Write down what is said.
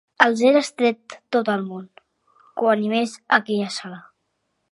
Els era estret tot el món, quant i més aquella sala.